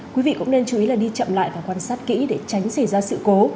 quý vị cũng nên chú ý là đi chậm lại và quan sát kỹ để tránh xảy ra sự cố